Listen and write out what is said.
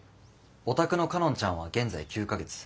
お宅の佳音ちゃんは現在９か月。